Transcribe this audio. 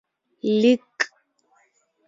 League.